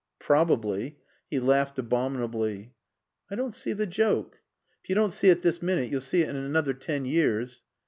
"Probably." He laughed abominably. "I don't see the joke." "If you don't see it this minute you'll see it in another ten years."